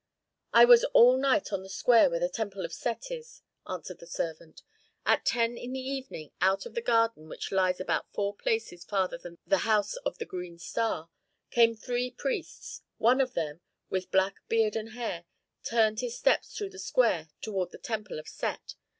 "I was all night on the square where the temple of Set is," answered the servant. "At ten in the evening out of the garden which lies about four places farther than the house of the 'Green Star,' came three priests. One of them, with black beard and hair, turned his steps through the square toward the temple of Set.